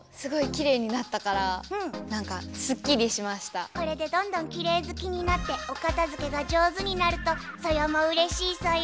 すごいこれでどんどんきれいずきになっておかたづけが上手になるとソヨもうれしいソヨ。